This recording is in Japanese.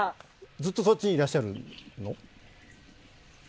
ずっとそっちにいらっしゃるの？